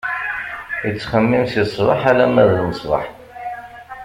Ittxemmis si ṣṣbeḥ alamma d lmesbeḥ.